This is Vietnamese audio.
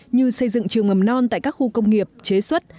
như xây dựng trường mầm non tại các khu công nghiệp chế xuất